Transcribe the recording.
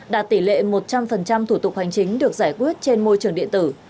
đạt tỷ lệ một trăm linh thủ tục hành chính được giải quyết trên môi trường điện tử